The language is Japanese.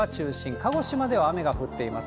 鹿児島では雨が降っています。